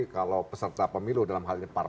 kalau peserta pemilu dalam hal ini